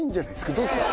どうですか？